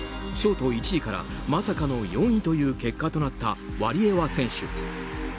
ショート１位からまさかの４位という結果となったワリエワ選手。